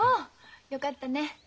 よかったね。